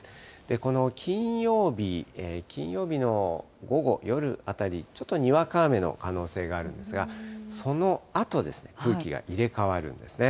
この金曜日の午後、夜あたり、ちょっとにわか雨の可能性があるんですが、そのあとですね、空気が入れ代わるんですね。